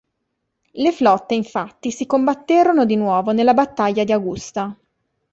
Le flotte infatti si combatterono di nuovo nella battaglia di Augusta.